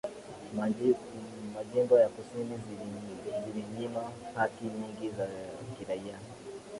majimbo ya kusini zilinyima haki nyingi za kiraia